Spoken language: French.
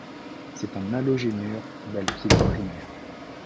C'est un halogénure d'alkyle primaire.